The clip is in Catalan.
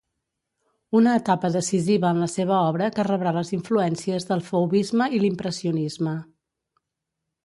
Una etapa decisiva en la seva obra que rebrà les influències del fauvisme i l'impressionisme.